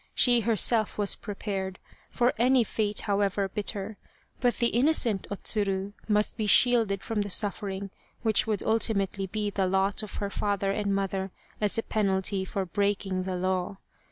She herself was prepared for any fate however bitter, but the innocent O Tsuru must be shielded from the suffering which would ultimately be the lot of her father and mother as the penalty for breaking the law.